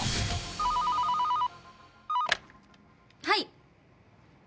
はい。